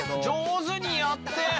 上手にやって。